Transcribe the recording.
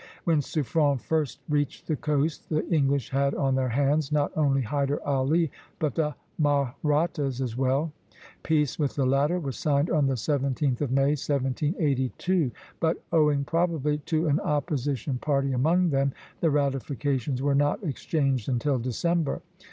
When Suffren first reached the coast, the English had on their hands not only Hyder Ali, but the Mahrattas as well. Peace with the latter was signed on the 17th of May, 1782; but, owing probably to an opposition party among them, the ratifications were not exchanged until December.